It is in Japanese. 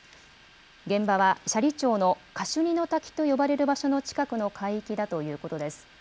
現場は斜里町のカシュニの滝と呼ばれる近くの海域だということです。